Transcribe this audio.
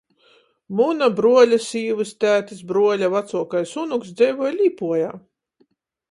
Muna bruoļa sīvys tētis bruoļa vacuokais unuks dzeivoj Līpuojā.